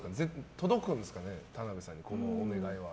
届くんですかね、田辺さんにこのお願いは。